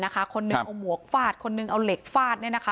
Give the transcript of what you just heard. คนนึงเอาหมวกฟาดคนนึงเอาเหล็กฟาด